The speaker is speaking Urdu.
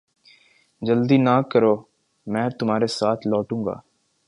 جلدی نہ کرو میں تمھارے ساتھ لوٹوں گا